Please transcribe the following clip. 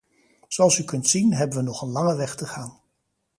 Zoals u kunt zien, hebben we nog een lange weg te gaan.